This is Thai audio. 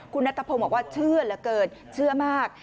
คุณนัทพงศ์บอกว่าเชื่อเหลือเกินเชื่อมาก